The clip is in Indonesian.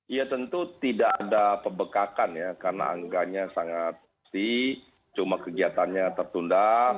ya tentu tidak ada pebekakan ya karena angganya sangat pasti cuma kegiatannya tertunda